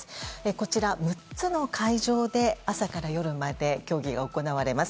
こちら、６つの会場で朝から夜まで競技が行われます。